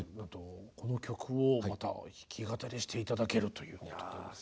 この曲をまた弾き語りして頂けるということで。